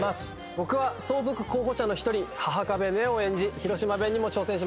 僕は相続候補者の一人波々壁新音を演じ広島弁にも挑戦しました。